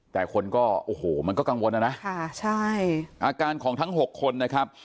แต่คนก็โอ้โหมันก็กังวลนะนะค่ะใช่อาการของทั้ง๖คนนะครับ